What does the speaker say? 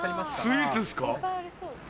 スイーツっすか？